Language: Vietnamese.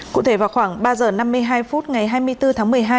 cụ thể vào khoảng ba giờ năm mươi hai phút ngày hai mươi bốn tháng một mươi hai